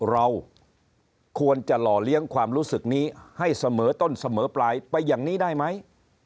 เราควรจะหล่อเลี้ยงความรู้สึกนี้ให้เสมอต้นเสมอปลายไปอย่างนี้ได้ไหม